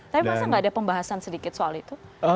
tapi masa gak ada pembahasan sedikit soal itu